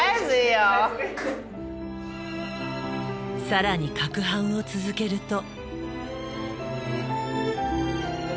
更にかくはんを続けると。